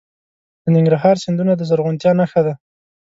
د ننګرهار سیندونه د زرغونتیا نښه ده.